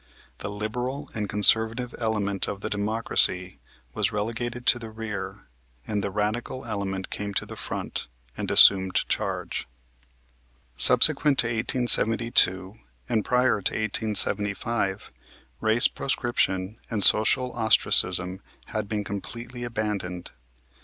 The liberal and conservative element of the Democracy was relegated to the rear and the radical element came to the front and assumed charge. Subsequent to 1872 and prior to 1875 race proscription and social ostracism had been completely abandoned.